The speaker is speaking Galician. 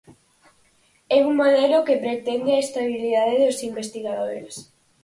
É un modelo que pretende a estabilidade dos investigadores.